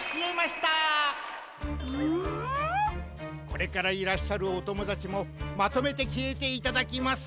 これからいらっしゃるおともだちもまとめてきえていただきます。